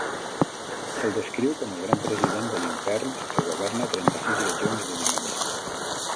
Se'l descriu com el Gran President de l'Infern que governa trenta-sis legions de dimonis.